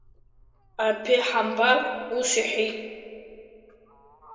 Аԥеҳамбар ус иҳәеит…